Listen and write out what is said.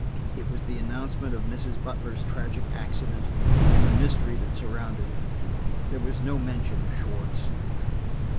It was the announcement of Mrs. Butler's tragic accident, and the mystery that surrounded it. There was no mention of Schwartz.